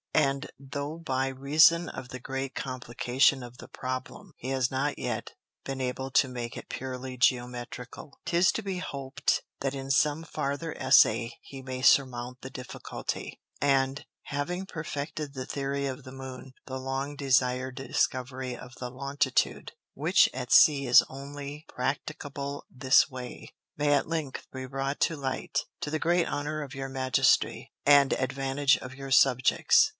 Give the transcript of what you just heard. And though by reason of the great Complication of the Problem, he has not yet been able to make it purely Geometrical, 'tis to be hoped, that in some farther Essay he may surmount the difficulty: And having perfected the Theory of the Moon, the long desir'd Discovery of the Longitude (which at Sea is only practicable this way) may at length be brought to light, to the great Honour of your Majesty, and Advantage of your Subjects.